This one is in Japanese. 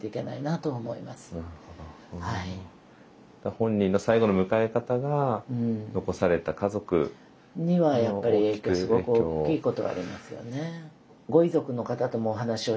本人の最期の迎え方が残された家族。にはやっぱり影響すごく大きいことがありますよね。